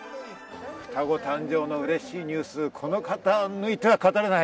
双子誕生のうれしいニュース、この方を抜いては語れない。